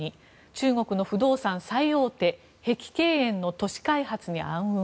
中国の不動産最大手碧桂園の都市開発に暗雲。